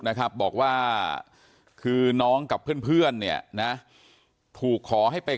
นะครับบอกว่าคือน้องกับเพื่อนเนี่ยนะถูกขอให้ไป